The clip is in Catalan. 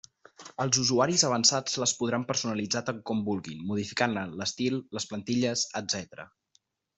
Els usuaris avançats les podran personalitzar tant com vulguin, modificant-ne l'estil, les plantilles, etc.